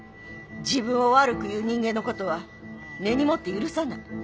自分を悪く言う人間のことは根に持って許さない